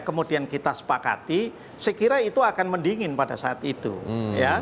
kemudian kita sepakati saya kira itu akan mendingin pada saat itu ya